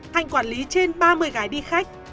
hạnh quản lý trên ba mươi gái đi khách